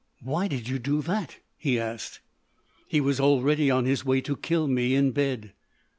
"Why did you do that?" he asked. "He was already on his way to kill me in bed."